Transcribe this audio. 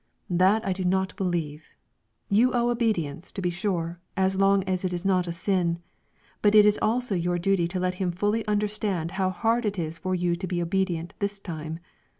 "That I do not believe; you owe obedience, to be sure, as long as it is not a sin; but it is also your duty to let him fully understand how hard it is for you to be obedient this time.